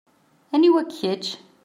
Aniwa-k kečč?